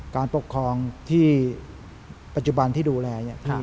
การปกครองที่ปัจจุบันที่ดูแลเนี่ย